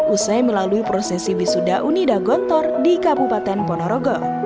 usai melalui prosesi wisuda unida gontor di kabupaten ponorogo